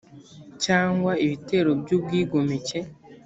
cyangwa ibitero by ubwigomeke